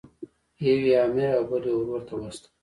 یو یې امیر او بل یې ورور ته واستاوه.